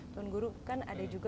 tuan guru kan ada juga